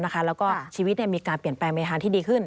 แล้วก็ชีวิตมีการเปลี่ยนแปลงไปทางที่ดีขึ้น